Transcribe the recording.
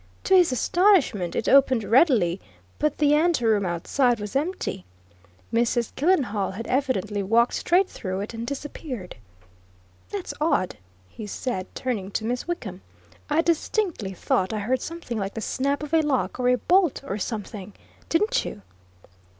To his astonishment it opened readily, but the anteroom outside was empty; Mrs. Killenhall had evidently walked straight through it and disappeared. "That's odd!" he said, turning to Miss Wickham. "I distinctly thought I heard something like the snap of a lock, or a bolt or something. Didn't you?"